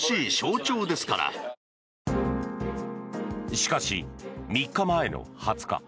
しかし、３日前の２０日。